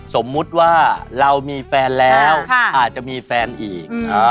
สมมุติว่าเรามีแฟนแล้วอาจจะมีแฟนอีก